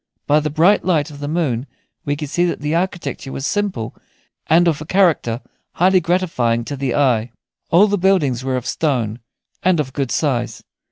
By the bright light of the moon we could see that the architecture was simple, and of a character highly gratifying to the eye. All the buildings were of stone, and of good size.